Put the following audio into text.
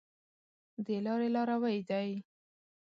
د لاري لاروی دی .